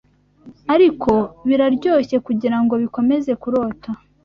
Ariko biraryoshye kugirango bikomeze kurota